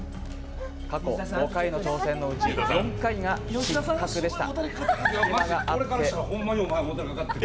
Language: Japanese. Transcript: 過去５回の挑戦のうち４回が失格でした。